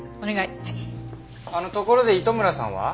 あのところで糸村さんは？